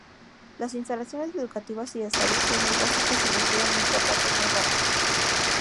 Las instalaciones educativas y de salud son muy básicas y requieren importantes mejoras.